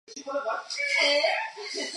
至建炎三年京东两路皆已沦陷。